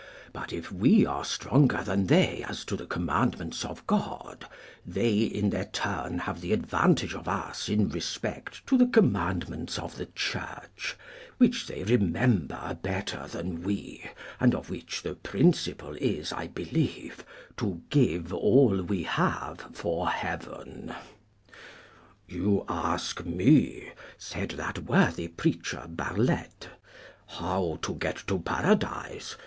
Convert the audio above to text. But if we are stronger than they as to the commandments of God, they in their turn have the advantage of us in respect to the commandments of the Church, which they remember better than we, and of which the principal is, I believe, to give all we have for heaven. 'You ask me,' said that worthy preacher Barlette, 'how to get to Paradise?